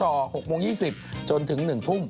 ๖โมง๒๐จนถึง๑ทุ่ม